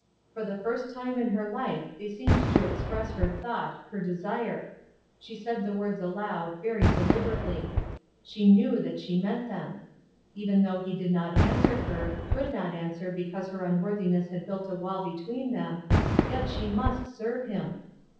For the first time in her life they seemed to express her thought, her desire. She said the words aloud, very deliberately; she knew that she meant them. Even though He did not answer her, could not answer, because her unworthiness had built a wall between them, yet she must serve Him.